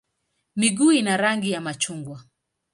Miguu ina rangi ya machungwa.